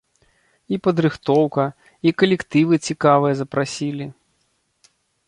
І падрыхтоўка, і калектывы цікавыя запрасілі.